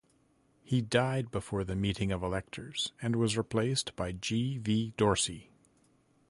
He died before the meeting of electors, and was replaced by G. V. Dorsey.